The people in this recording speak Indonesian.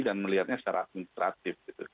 dan melihatnya secara administratif